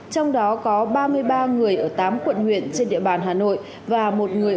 trong đó có ba mươi ba người ở tám quận huyện trên địa bàn hà nội